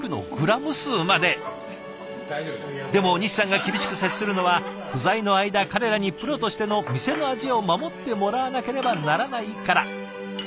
でも西さんが厳しく接するのは不在の間彼らにプロとしての店の味を守ってもらわなければならないから。